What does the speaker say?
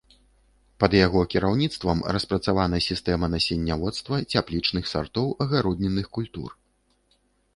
Пад яго кіраўніцтвам распрацавана сістэма насенняводства цяплічных сартоў агароднінных культур.